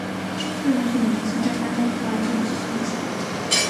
苏连逊的名声在丹麦以外并不是十分响。